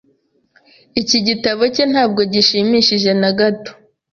Iki gitabo cye ntabwo gishimishije na gato.